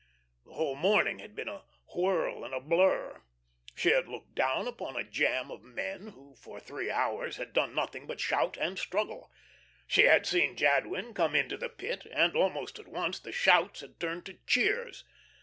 The whole morning had been a whirl and a blur. She had looked down upon a jam of men, who for three hours had done nothing but shout and struggle. She had seen Jadwin come into the Pit, and almost at once the shouts had turned to cheers.